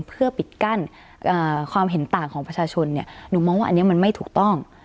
เพื่อปิดกั้นความเห็นต่างของประชาชนเนี่ยหนูมองว่าอันนี้มันไม่ถูกต้อง